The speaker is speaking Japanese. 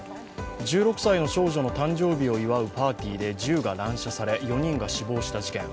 １６歳の少女の誕生日を祝うパーティーで銃が乱射され４人が死亡した事件。